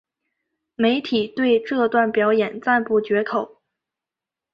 媒体对这段表演赞不绝口。